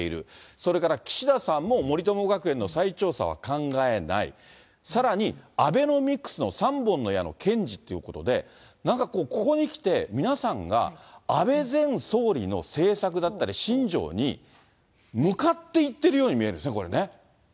それから岸田さんも、森友学園の再調査は考えない、さらにアベノミクスの３本の矢の堅持ということで、なんかこう、ここにきて、皆さんが安倍前総理の政策だったり、信条に向かっていってるように見えるんですね、これね。